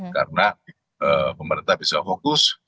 karena pemerintah bisa fokus